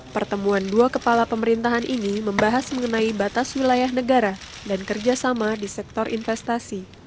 pertemuan dua kepala pemerintahan ini membahas mengenai batas wilayah negara dan kerjasama di sektor investasi